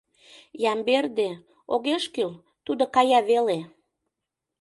Ямберде, огеш кӱл, тудо кая веле.